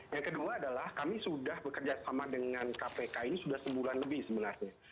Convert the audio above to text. yang kedua adalah kami sudah bekerja sama dengan kpk ini sudah sebulan lebih sebenarnya